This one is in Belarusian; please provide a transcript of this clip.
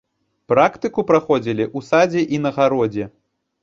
Практыку праходзілі ў садзе і на гародзе.